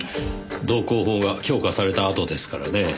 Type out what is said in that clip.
道交法が強化されたあとですからねぇ。